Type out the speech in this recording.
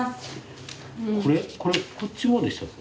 これこっちもでしたっけ？